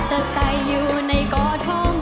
แต่ใส่อยู่ในกอดโทม้อ